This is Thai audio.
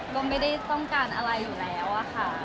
ก็ไม่ได้ต้องการอะไรอยู่แล้วอะค่ะ